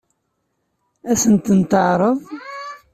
Ad sen-ten-teɛṛeḍ?